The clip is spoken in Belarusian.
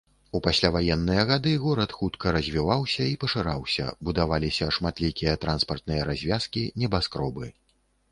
У пасляваенныя гады горад хутка развіваўся і пашыраўся, будаваліся шматлікія транспартныя развязкі, небаскробы.